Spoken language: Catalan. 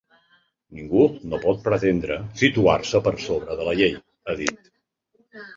Ningú no pot pretendre situar-se per sobre de la llei, ha dit.